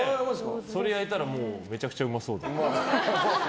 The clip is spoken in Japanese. それ焼いたらめちゃくちゃうまそう。